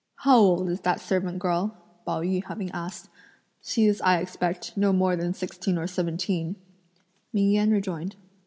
"How old is that servant girl?" Pao yü having asked; "She's, I expect, no more than sixteen or seventeen," Ming Yen rejoined.